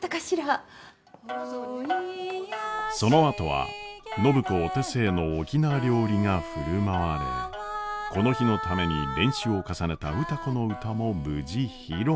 そのあとは暢子お手製の沖縄料理が振る舞われこの日のために練習を重ねた歌子の唄も無事披露。